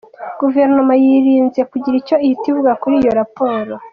Guverinoma yirinze kugira icyo ihita ivuga kuri iyo raporo.